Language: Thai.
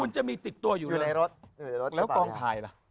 ช่วย